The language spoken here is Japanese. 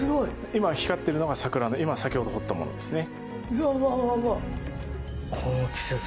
今、光っているのが桜で先ほど彫ったものですね。